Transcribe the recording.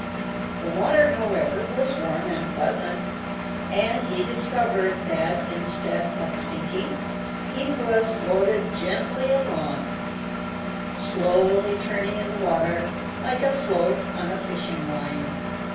The water, however, was warm and pleasant, and he discovered that, instead of sinking, he was floated gently along, slowly turning in the water like a float on a fishing line.